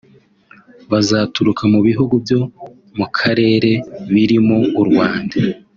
bazaturuka mu bihugu byo mu Karere birimo u Rwanda